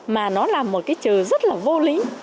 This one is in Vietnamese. mà nó là một cái chờ rất là vô lý